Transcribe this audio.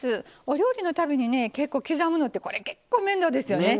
お料理のたびに結構刻むのってこれ結構面倒ですよね。